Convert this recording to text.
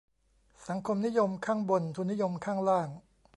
"สังคมนิยมข้างบน ทุนนิยมข้างล่าง"